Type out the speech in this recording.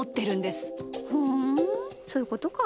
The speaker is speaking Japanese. ふんそういうことか。